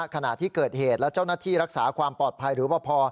ขณะที่เกิดเหตุและเจ้าหน้าที่รักษาความปลอดภัยหรือว่าพอ